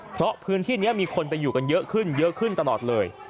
เพราะพื้นที่นี้มีคนไปอยู่กันเยอะขึ้นเยอะขึ้นตลอดเลย